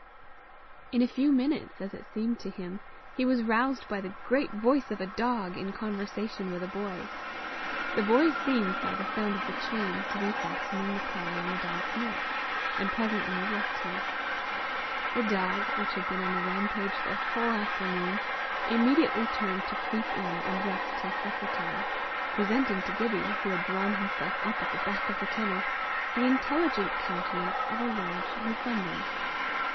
In a few minutes, as it seemed to him, he was roused by the great voice of a dog in conversation with a boy: the boy seemed, by the sound of the chain, to be fastening the collar on the dog's neck, and presently left him. The dog, which had been on the rampage the whole afternoon, immediately turned to creep in and rest till supper time, presenting to Gibbie, who had drawn himself up at the back of the kennel, the intelligent countenance of a large Newfoundland.